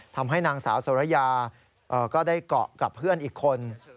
ทำให้นางสาวสุรยาก็ได้เกาะกับเพื่อนอีกคน